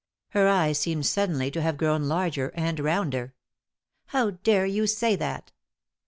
Her eyes seemed suddenly to hare grown larger and rounder. " How dare you say that